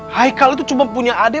haikal itu cuma punya adik